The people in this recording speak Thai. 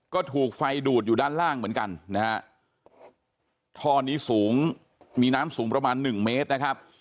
ก็ถูกไฟดูดอยู่ด้านล่างเหมือนกันนะฮะท่อนี้สูงมีน้ำสูงประมาณหนึ่งเมตรนะครับ